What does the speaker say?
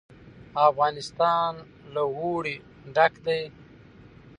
افغانستان له اوړي ډک دی.